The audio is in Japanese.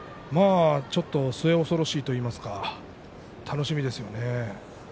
末恐ろしいといいますか楽しみですね。